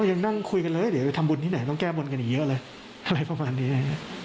ยังนั่งคุยกันเลยเดี๋ยวไปทำบุญที่ไหนต้องแก้บนกันอีกเยอะเลยอะไรประมาณนี้